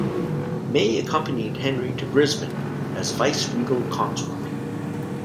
May accompanied Henry to Brisbane, as vice-regal consort.